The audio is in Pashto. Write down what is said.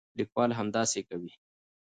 لیکوال همداسې کوي.